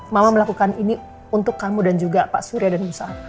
mama melakukan ini untuk kamu dan juga pak surya dan musa